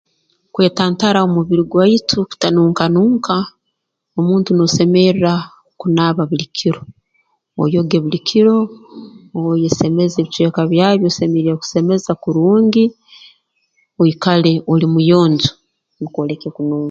Kwetantara omubiri gwaitu kutanunka nunka omuntu noosemerra kunaaba buli kiro oyoge buli kiro oyesemeze ebicweka byawe ebi osemeriire kusemeza kurungi oikale oli muyonjo nukwo oleke kununka